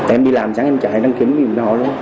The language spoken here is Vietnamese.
em đi làm sáng em chạy đăng kiểm dùm cho họ luôn